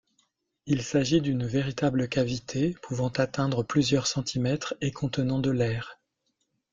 Il s'agit d'une véritable cavité, pouvant atteindre plusieurs centimètres et contenant de l'air.